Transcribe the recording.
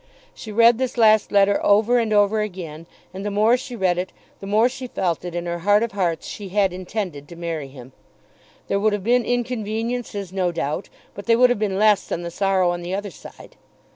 She read this last letter over and over again, and the more she read it the more she felt that in her heart of hearts she had intended to marry him. There would have been inconveniences no doubt, but they would have been less than the sorrow on the other side.